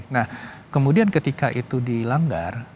nah kemudian ketika itu dilanggar